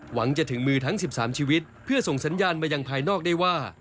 หวังจะถึงมือทั้ง๑๓ชีวิตเพื่อส่งสัญญาณมายังภายนอกได้ว่า